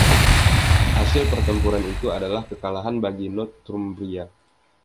Hasil pertempuran itu adalah kekalahan bagi Northumbria.